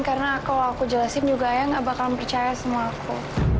karena kalau aku jelasin juga ayah enggak bakal percaya sama aku